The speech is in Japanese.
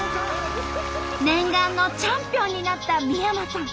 念願のチャンピオンになった三山さん。